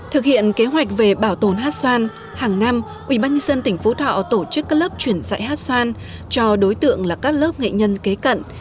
thực hiện kế hoạch về bảo tồn hát xoan hàng năm ubnd tỉnh phú thọ tổ chức các lớp chuyển dạy hát xoan cho đối tượng là các lớp nghệ nhân kế cận